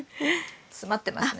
詰まってますね。